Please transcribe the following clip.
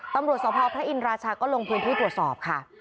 ตำรวจสภพระอินราชาก็ลงพื้นที่ตรวจสอบค่ะ